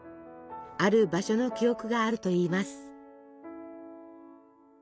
ある場所の記憶があるといいます。